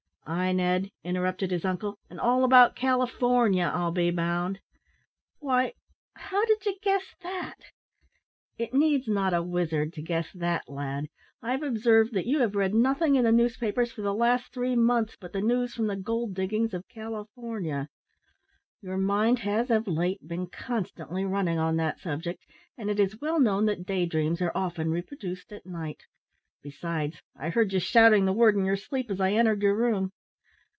"Ay, Ned," interrupted his uncle, "and all about California, I'll be bound." "Why, how did you guess that?" "It needs not a wizard to guess that, lad. I've observed that you have read nothing in the newspapers for the last three months but the news from the gold diggings of California. Your mind has of late been constantly running on that subject, and it is well known that day dreams are often reproduced at night. Besides, I heard you shouting the word in your sleep as I entered your room.